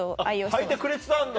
履いてくれてたんだ。